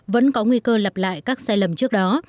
vẫn có nguy cơ lặp lại các sai lầm trước đó